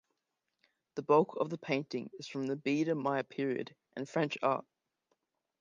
The bulk of the painting is from the Biedermeier period and French art.